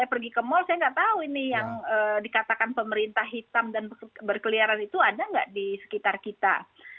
saya pergi ke mal saya nggak tahu ini yang dikatakan pemerintah hitam dan berkeliaran itu ada nggak di sekitar kita